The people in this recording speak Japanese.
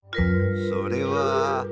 それは。